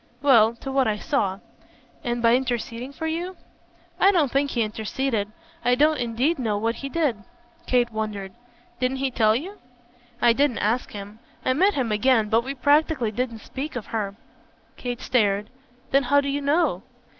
"Well, to what I saw." "And by interceding for you?" "I don't think he interceded. I don't indeed know what he did." Kate wondered. "Didn't he tell you?" "I didn't ask him. I met him again, but we practically didn't speak of her." Kate stared. "Then how do you know?"